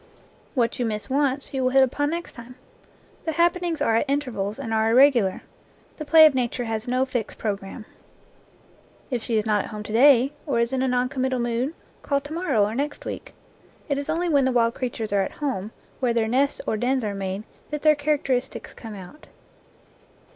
What you miss once, you will hit upon next time. The happenings are at intervals and are irregular. The play of Nature has no fixed programme. If she is not at home to day, or is in a non committal mood, call to morrow, or next week. It is only when the wild creatures are at home, where their nests or dens are made, that their characteristics come out.